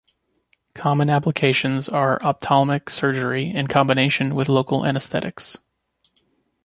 Common applications are ophthalmic surgery, in combination with local anesthetics.